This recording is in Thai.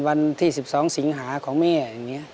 วันที่๑๒สิงหาของแม่อย่างนี้